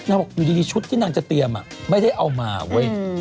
บอกอยู่ดีชุดที่นางจะเตรียมไม่ได้เอามาเว้ย